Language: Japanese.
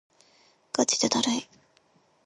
がちでだるい